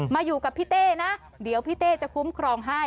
มาอยู่กับพี่เต้นะเดี๋ยวพี่เต้จะคุ้มครองให้